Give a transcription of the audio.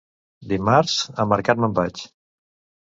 Dimarts, a mercat me'n vaig.